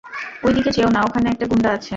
ঐদিকে যেও না, ওখানে একটা গুন্ডা আছে।